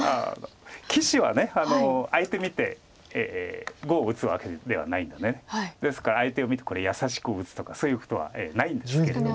棋士は相手見て碁を打つわけではないんでですから相手を見てこれ優しく打つとかそういうことはないんですけれども。